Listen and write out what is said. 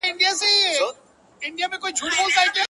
داده سگريټ دود لا په كـوټه كـي راتـه وژړل,